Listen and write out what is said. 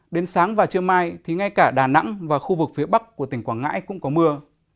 đến sáng và trưa mai thì ngay cả đà nẵng và khu vực phía bắc của tỉnh quảng ngãi cũng có mưa